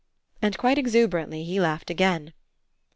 and, quite exuberantly, he laughed again.